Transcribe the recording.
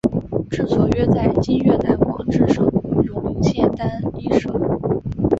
治所约在今越南广治省永灵县丹裔社。